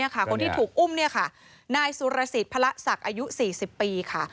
คนที่ถูกอุ้มนายสุรสิทธิ์พระศักดิ์อายุ๔๐ปีค่ะ